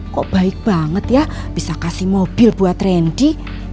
kok baik banget ya bisa kasih mobil buat randy